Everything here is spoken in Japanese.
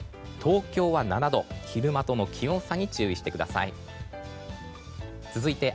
東京は７度、昼間との気温差に注意してください。